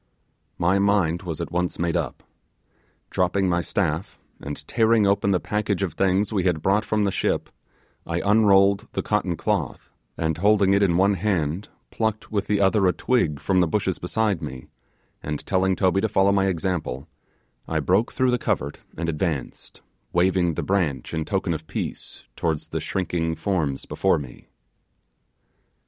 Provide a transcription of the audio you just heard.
My mind was at once made up. Dropping my staff, and tearing open the package of things we had brought from the ship, I unrolled the cotton cloth, and holding it in one hand picked with the other a twig from the bushes beside me, and telling Toby to follow my example, I broke through the covert and advanced, waving the branch in token of peace towards the shrinking forms before me.